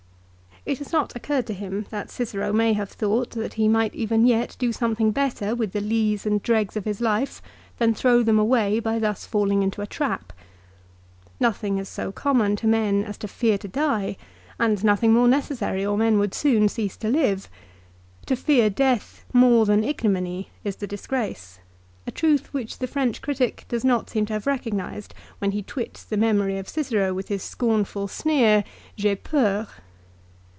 It has not occurred to him that Cicero may have thought that he might even yet do something better with the lees and dregs of his life than throw them away by thus falling into a trap. Nothing is so common to men as to fear to die, and nothing more necessary, or men would soon cease to live. To fear death more than ignominy is the disgrace, a truth which the French critic does not seem to have recognised when he twits the memory of Cicero with his scornful sneer, " J'ai peur."